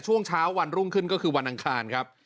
ช่วงเช้าวันรุ่งขึ้นก็คือวันอังคารครับ